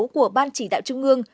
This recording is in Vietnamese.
của ban chỉ đạo trung ương